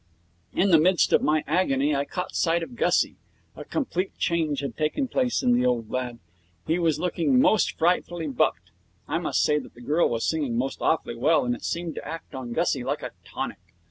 In the midst of my agony I caught sight of Gussie. A complete change had taken place in the old lad. He was looking most frightfully bucked. I must say the girl was singing most awfully well, and it seemed to act on Gussie like a tonic.